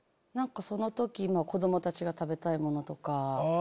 その時子供たちが食べたいものとか。